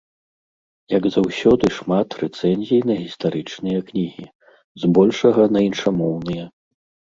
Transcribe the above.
Як заўсёды шмат рэцэнзій на гістарычныя кнігі, збольшага на іншамоўныя.